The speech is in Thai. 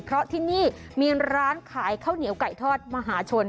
เพราะที่นี่มีร้านขายข้าวเหนียวไก่ทอดมหาชน